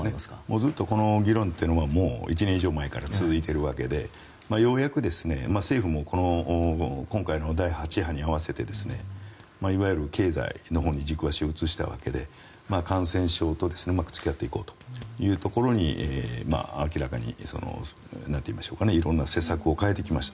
ずっとこの議論というのは１年以上前から続いているわけでようやく政府も今回の第８波に合わせていわゆる経済のほうに軸足を移したわけで感染症とうまく付き合っていこうというところに明らかに色んな政策を変えてきました。